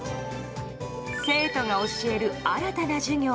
生徒が教える新たな授業。